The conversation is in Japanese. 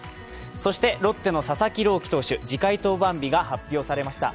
そしてロッテの佐々木朗希投手、次回登板日が発表されました。